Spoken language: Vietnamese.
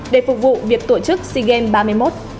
để phục vụ việc tổ chức sea games ba mươi một